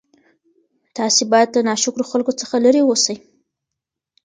تاسي باید له ناشکرو خلکو څخه لیري اوسئ.